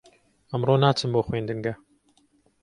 ئەمڕۆ ناچم بۆ خوێندنگە.